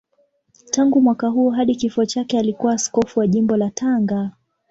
Tangu mwaka huo hadi kifo chake alikuwa askofu wa Jimbo la Tanga.